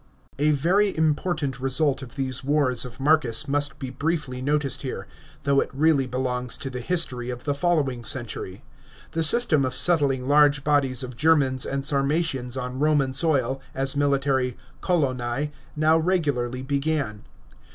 § 18. A very important result of these wars of Marcus must be briefly noticed here, though it really belongs to the history of the following century. The system of settling large bodies of Germans and Sarmatians on Roman soil as military coloni now regularly began.